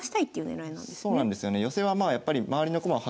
そうなんですよね。